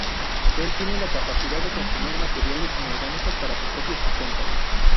Él tiene la capacidad de consumir materiales inorgánicos para su propio sustento.